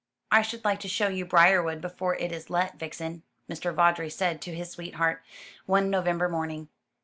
"I should like to show you Briarwood before it is let, Vixen," Mr. Vawdrey said to his sweetheart, one November morning.